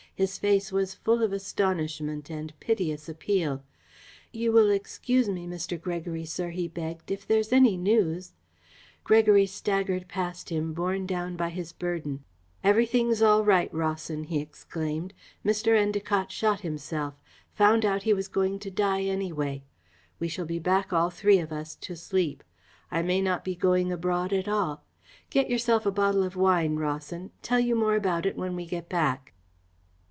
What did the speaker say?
His face was full of astonishment and piteous appeal. "You will excuse me, Mr. Gregory, sir," he begged. "If there's any news " Gregory staggered past him, borne down by his burden. "Everything's all right, Rawson," he exclaimed. "Mr. Endacott shot himself found out he was going to die, anyway. We shall be back, all three of us, to sleep. I may not be going abroad at all. Get yourself a bottle of wine, Rawson. Tell you more about it when we get back."